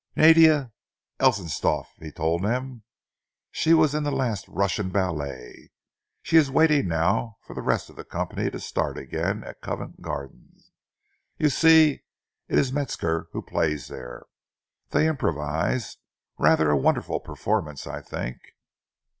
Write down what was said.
"Nadia Ellistoff," he told them. "She was in the last Russian ballet, and she is waiting now for the rest of the company to start again at Covent Garden. You see, it is Metzger who plays there. They improvise. Rather a wonderful performance, I think."